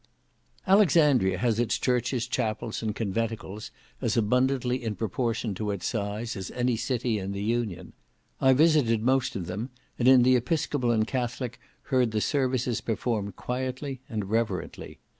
Alexandria has its churches, chapels, and conventicles as abundantly, in proportion to its size, as any city in the Union. I visited most of them, and in the Episcopal and Catholic heard the services performed quietly and reverently.